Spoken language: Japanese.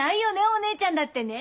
お姉ちゃんだってねえ。